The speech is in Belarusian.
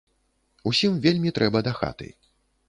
Усім вельмі трэба да хаты.